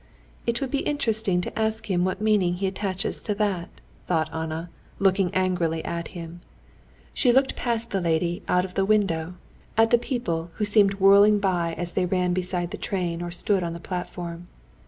"It would be interesting to ask him what meaning he attaches to that," thought Anna, looking angrily at him. She looked past the lady out of the window at the people who seemed whirling by as they ran beside the train or stood on the platform.